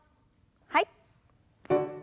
はい。